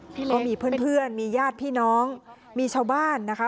พี่เล็กมีเพื่อนเพื่อนมีญาติพี่น้องมีชาวบ้านนะคะ